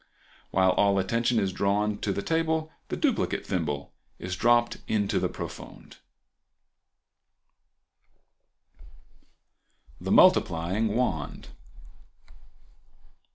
While all attention is drawn to the table the duplicate thimble is dropped into the profonde. The Multiplying Wand.